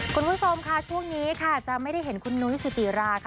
คุณผู้ชมค่ะช่วงนี้ค่ะจะไม่ได้เห็นคุณนุ้ยสุจิราค่ะ